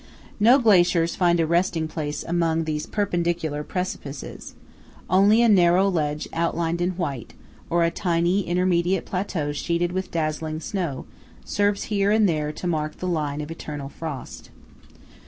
19 No glaciers find a resting place among these perpendicular precipices. Only a narrow ledge outlined in white, THE MONTE PELMO. PANORAMIC VIEW OF VAL DI CANALI. or a tiny intermediate plateau sheeted with dazzling snow, serves here and there to mark the line of eternal frost.